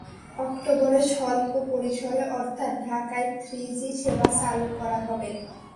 অক্টোবরে স্বল্প পরিসরে অর্থাৎ ঢাকায় থ্রিজি সেবা চালু করা হবে।